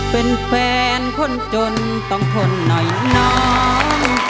เป็นแฟนคนจนต้องทนหน่อยน้อง